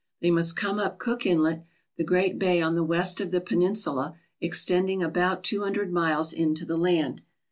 They must come up Cook Inlet, the great bay on the west of the peninsula extending about two hundred miles into the land.